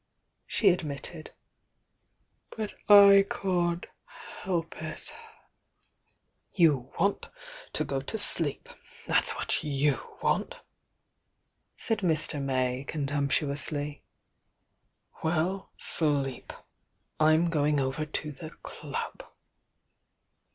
she admitted. "But I can't help it." "You want to go to sleep, — that's what you want!" said Mr. May, contemptuously. "Well, sleep! — I'm going over to the Club."